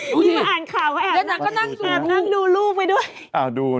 ดูสินางก็นั่งดูนางก็นั่งดูรูปไปด้วย